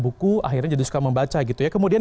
buku akhirnya jadi suka membaca gitu ya kemudian